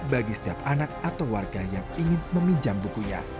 bagi setiap anak atau warga yang ingin meminjam bukunya